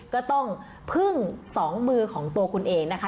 ก็ต้องพึ่งสองมือของตัวคุณเองนะคะ